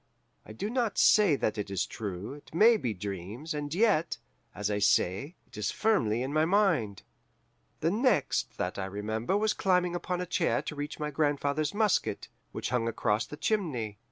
I do not say that it is true it may be dreams; and yet, as I say, it is firmly in my mind. "The next that I remember was climbing upon a chair to reach for my grandfather's musket, which hung across the chimney.